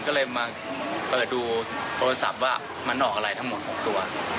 ก็เลยมาเปิดดูโทรศัพท์ว่ามันออกอะไรทั้งหมด๖ตัว